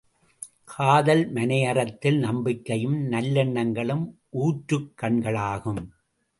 காதல் மனையறத்தில், நம்பிக்கையும் நல்லெண்ணங்களும் ஊற்றுக் கண்களாகும்.